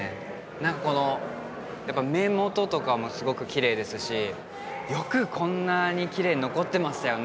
何かこの目元とかもすごくキレイですしよくこんなにキレイに残ってましたよね